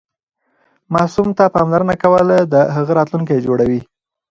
ماسوم ته پاملرنه کول د هغه راتلونکی جوړوي.